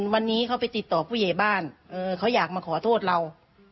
วันนี้เขาไปติดต่อผู้ใหญ่บ้านเขาอยากมาขอโทษเรา